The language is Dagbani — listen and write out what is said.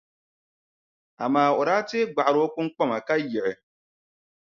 Amaa o daa tee gbaɣiri o kpuŋkpama ka yiɣi.